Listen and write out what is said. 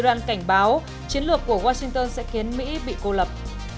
iran cảnh báo chiến lược của washington sẽ khiến mỹ bị cô lập